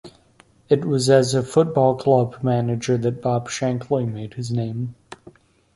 It was as a football club manager that Bob Shankly made his name.